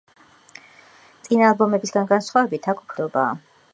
წინა ალბომებისგან განსხვავებით აქ უფრო მეტი საგიტარო ჟღერადობაა.